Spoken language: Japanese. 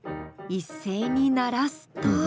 一斉に鳴らすと。